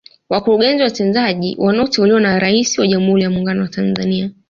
Wakurugenzi watendaji wanaoteuliwa na Rais wa Jamhuri ya Muungano wa Tanzania